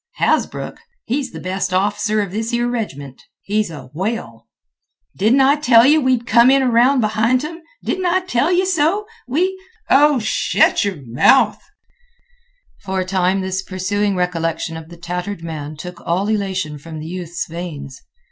"Hasbrouck? He's th' best off'cer in this here reg'ment. He's a whale." "Didn't I tell yeh we'd come aroun' in behint 'em? Didn't I tell yeh so? We—" "Oh, shet yeh mouth!" For a time this pursuing recollection of the tattered man took all elation from the youth's veins.